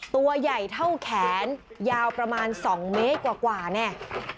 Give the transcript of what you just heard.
ตัวใหญ่เท่าแขนยาวประมาณ๒เมตรกว่าเนี่ย